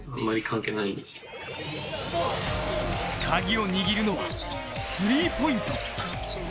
カギを握るのはスリーポイント。